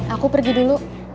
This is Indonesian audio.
aku pergi dulu